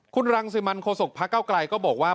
คุณรังสิมันโคศกพระเก้าไกลก็บอกว่า